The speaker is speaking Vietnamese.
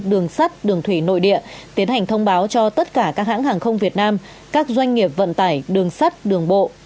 đường sắt đường thủy nội địa tiến hành thông báo cho tất cả các hãng hàng không việt nam các doanh nghiệp vận tải đường sắt đường bộ